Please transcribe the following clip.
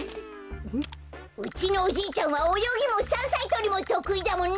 うちのおじいちゃんはおよぎもさんさいとりもとくいだもんね。